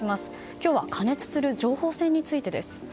今日は過熱する情報戦についてです。